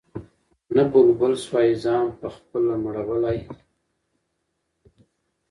نه بلبل سوای ځان پخپله مړولای